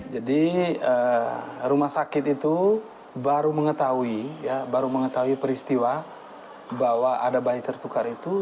jadi rumah sakit itu baru mengetahui ya baru mengetahui peristiwa bahwa ada bayi tertukar itu